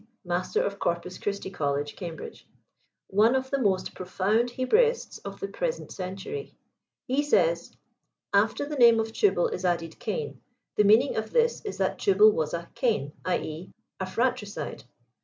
master of Corpus Christi College, Cambridge;" one of the most pro found Hebraists of the present century. He says, *' After the name of Tubal is added Cain. The meaning of this is that Tubal was a " Cain," i. e. a fratricide.